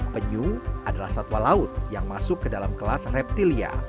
penyu adalah satwa laut yang masuk ke dalam kelas reptilia